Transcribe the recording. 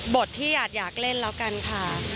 ที่อยากเล่นแล้วกันค่ะ